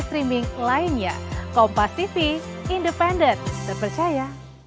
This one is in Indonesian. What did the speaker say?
streaming lainnya kompas tv independen terpercaya